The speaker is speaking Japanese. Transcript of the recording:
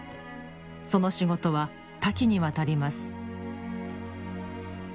その仕事は多岐にわたります